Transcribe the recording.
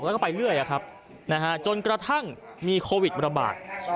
แล้วก็ไปเรื่อยจนกระทั่งมีโควิดระบาด